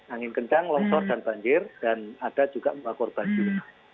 angin kencang longsor dan banjir dan ada juga korban banjir